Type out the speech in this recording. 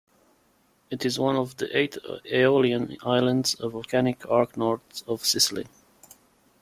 It is one of the eight Aeolian Islands, a volcanic arc north of Sicily.